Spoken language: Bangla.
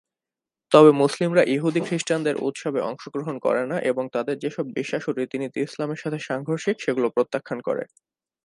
তবে মুসলিমরা ইহুদী খ্রিষ্টানদের উৎসবে অংশগ্রহণ করে না এবং তাদের যেসব বিশ্বাস ও রীতিনীতি ইসলামের সাথে সাংঘর্ষিক সেগুলো প্রত্যাখ্যান করে।